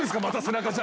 また。